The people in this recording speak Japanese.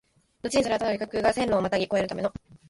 のちにそれはただ旅客が線路をまたぎ越えるための、